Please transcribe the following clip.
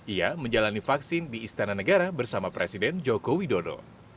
ia menjalani vaksin di istana negara bersama presiden joko widodo